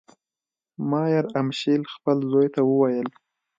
مایر امشیل خپل زوی ته وویل.